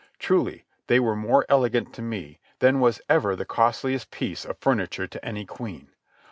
Truly, they were more elegant to me than was ever the costliest piece of furniture to any queen.